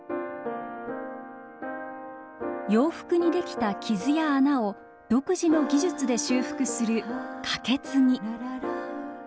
洋服に出来た傷や穴を独自の技術で修復するかけつぎ。